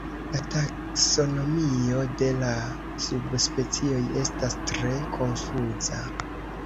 La taksonomio de la subspecioj estas tre konfuza.